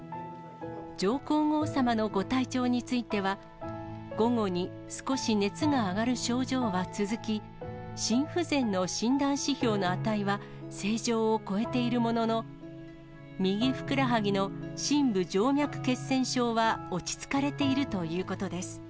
上皇后さまのご体調については、午後に少し熱が上がる症状は続き、心不全の診断指標の値は、正常を超えているものの、右ふくらはぎの深部静脈血栓症は落ち着かれているということです。